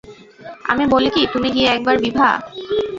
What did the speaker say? আমি বলি কি, তুমি গিয়ে একবার– বিভা।